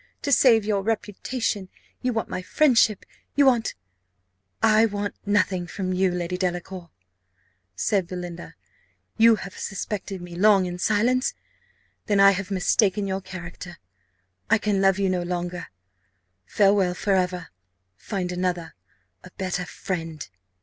To save your reputation, you want my friendship you want " "I want nothing from you, Lady Delacour," said Belinda. "You have suspected me long in silence! then I have mistaken your character I can love you no longer. Farewell for ever! Find another a better friend."